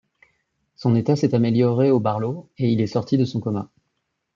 Son état s'est amélioré au Barlow et il est sorti de son coma.